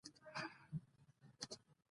انسان هڅه وکړه تر څو حیوانات اهلي کړي.